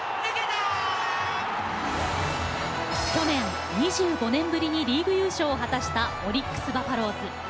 去年、２５年ぶりにリーグ優勝を果たしたオリックス・バファローズ。